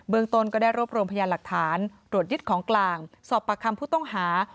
ตนก็ได้รวบรวมพยานหลักฐานตรวจยึดของกลางสอบปากคำผู้ต้องหา